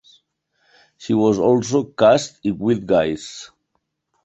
She was also cast in "Wild Guys".